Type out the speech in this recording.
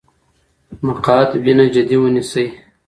مقعد وینه جدي ونیسئ.